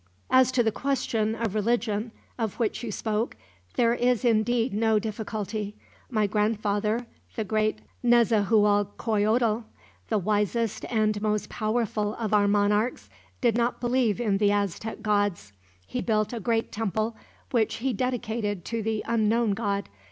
"As to the question of religion, of which you spoke, there is indeed no difficulty. My grandfather, the great Nezahualcoyotl, the wisest and most powerful of our monarchs, did not believe in the Aztec gods. He built a great temple which he dedicated to the Unknown God.